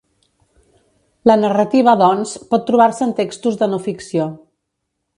La narrativa, doncs, pot trobar-se en textos de no ficció.